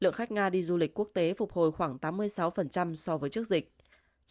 lượng khách nga đi du lịch quốc tế phục hồi khoảng tám mươi sáu so với trước dịch